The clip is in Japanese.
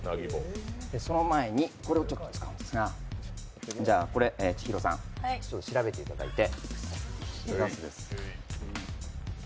その前にこれを使うんですが、これ、千尋さん、調べていただいて。。